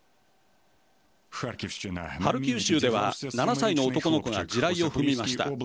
ハルキウ州では７歳の男の子が地雷を踏みました。